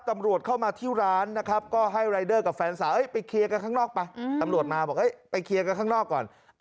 ตำรวจมาบอกไปเคลียร์กันข้างนอกก่อน